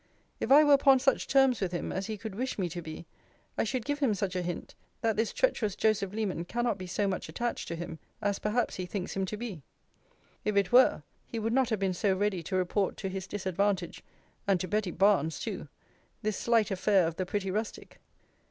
If I were upon such terms with him as he could wish me to be, I should give him such a hint, that this treacherous Joseph Leman cannot be so much attached to him, as perhaps he thinks him to be. If it were, he would not have been so ready to report to his disadvantage (and to Betty Barnes too) this slight affair of the pretty rustic.